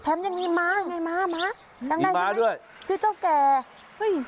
แถมยังมีม้ายังไงม้าม้ามีม้าด้วยชื่อเจ้าแก่เฮ้ย